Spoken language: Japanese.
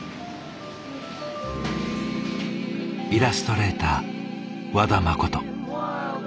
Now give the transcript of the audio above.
イラストレーター和田誠。